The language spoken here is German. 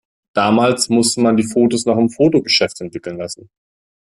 Damals musste man die Fotos noch im Fotogeschäft entwickeln lassen.